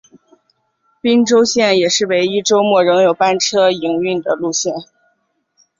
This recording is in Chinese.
宾州线也是唯一周末仍有班车营运的路线。